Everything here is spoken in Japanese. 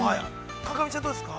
川上ちゃんはどうですか。